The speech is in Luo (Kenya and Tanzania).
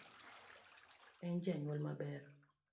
En janyuol maber